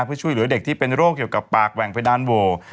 เพื่อช่วยเหลือเด็กที่เป็นโรคเกี่ยวกับปากแหว่งเพดานโว